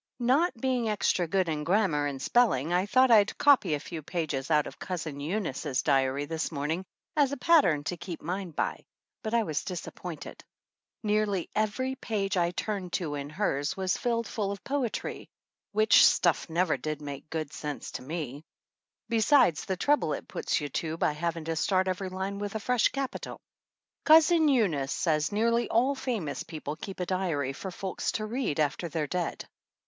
Not being extra good in grammar and spelling, I thought I'd copy a few pages out of Cousin Eunice's diary this morning as a pattern to keep mine by, but I was disappointed. Nearly every page I turned to in hers was filled full of poetry, which stuff never did make good sense 1 THE ANNALS OF ANN to me, besides the trouble it puts you to by hav ing to start every line with a fresh capital. Cousin Eunice says nearly all famous people keep a diary for folks to read after they're dead.